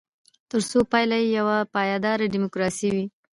ترڅو پایله یې یوه پایداره ډیموکراسي وي.